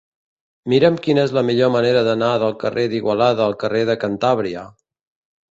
Mira'm quina és la millor manera d'anar del carrer d'Igualada al carrer de Cantàbria.